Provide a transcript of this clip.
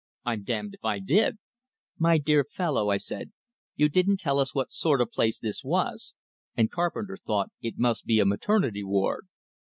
"I'm damned if I did." "My dear fellow," I said, "you didn't tell us what sort of place this was; and Carpenter thought it must be a maternity ward."